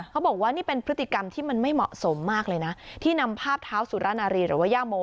เขาบอกว่านี่เป็นพฤติกรรมที่มันไม่เหมาะสมมากเลยนะที่นำภาพเท้าสุรนารีหรือว่าย่าโม